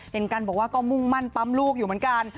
เห็นกันบอกว่าก็มุ่งมั่นปั๊มลูกอยู่เหมือนกัน